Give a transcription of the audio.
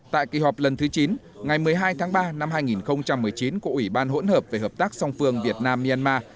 tại kỳ họp lần thứ chín ngày một mươi hai tháng ba năm hai nghìn một mươi chín của ủy ban hỗn hợp về hợp tác song phương việt nam myanmar